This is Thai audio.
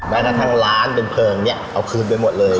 แม้ถ้าทางร้านเป็นเผลออย่างเนี่ยเอาคืนไปหมดเลย